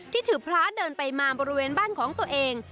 ถือพระเดินไปมาบริเวณบ้านของตัวเอง